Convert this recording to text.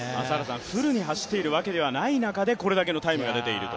フルに走ってる中ではない中で、これだけのタイムが出ていると。